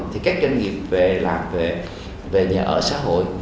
thì các doanh nghiệp về nhà ở xã hội